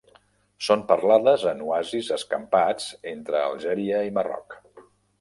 Són parlades en oasis escampats entre Algèria i Marroc.